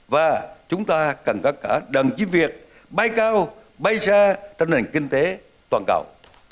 và chúng ta cần có cả đồng chí việt bay cao bay xa trong nền kinh tế toàn cầu